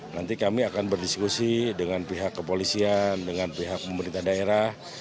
nanti kami akan berdiskusi dengan pihak kepolisian dengan pihak pemerintah daerah